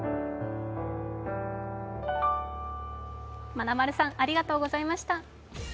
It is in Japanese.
まなまるさんありがとうございました。